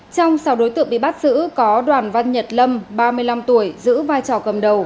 trong sáu đối tượng bị bắt giữ có đoàn văn nhật lâm ba mươi năm tuổi giữ vai trò cầm đầu